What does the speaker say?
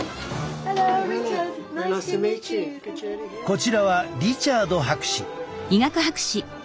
こちらはリチャード博士。